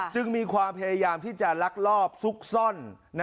จึงมีความพยายามที่จะลักลอบซุกซ่อน